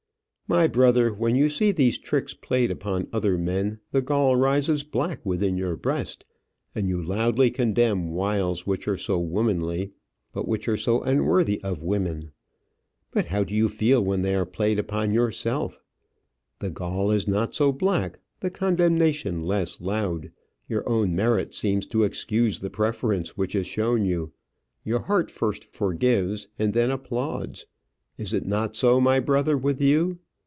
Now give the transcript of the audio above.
My brother, when you see these tricks played upon other men, the gall rises black within your breast, and you loudly condemn wiles which are so womanly, but which are so unworthy of women. But how do you feel when they are played upon yourself? The gall is not so black, the condemnation less loud; your own merit seems to excuse the preference which is shown you; your heart first forgives and then applauds. Is it not so, my brother, with you?